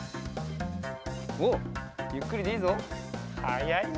おっゆっくりでいいぞ！